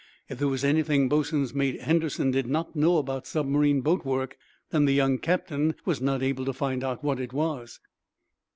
If there was anything Boatswain's Mate Henderson did not know about submarine boat work, then the young captain was not able to find out what it was.